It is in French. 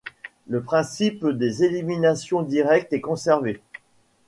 Le principe des éliminations directes est conservé.